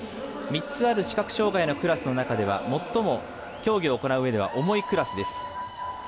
３つある視覚障がいのクラスの中では最も競技を行ううえでは重いクラスです。